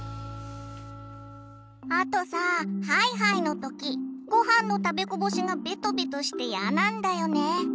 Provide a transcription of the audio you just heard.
あとさハイハイの時ごはんの食べこぼしがベトベトしてやなんだよね。